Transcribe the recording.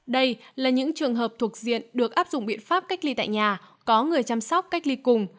đây là những trường hợp thuộc diện được áp dụng biện pháp cách ly tại nhà có người chăm sóc cách ly cùng